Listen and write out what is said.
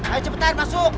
ayo cepetan masuk